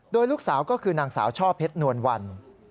โดยลูกสาวก็คือนางสาวช่อเพชรนวลวัน